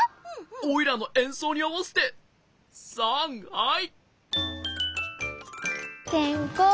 おいらのえんそうにあわせてさんはい！